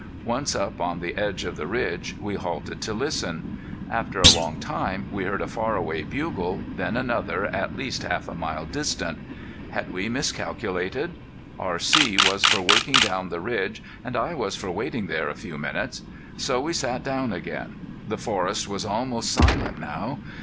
Once up on the edge of the ridge we halted to listen. After a long time we heard a far away bugle, then another at least half a mile distant. Had we miscalculated? R.C. was for working down the ridge and I was for waiting there a few moments. So we sat down again. The forest was almost silent now.